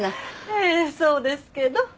ええそうですけど。